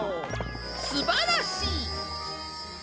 すばらしい！